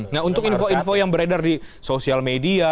nah untuk info info yang beredar di sosial media